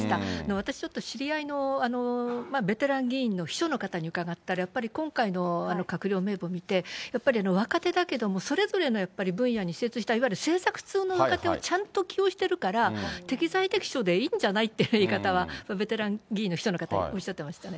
私、ちょっと知り合いのベテラン議員の秘書の方に伺ったら、やっぱり今回の閣僚名簿見て、やっぱり若手だけども、それぞれのやっぱり分野に精通した、いわゆる政策通の若手をちゃんと起用してるから、適材適所でいいんじゃないっていう言い方は、ベテラン議員の秘書の方おっしゃってましたね。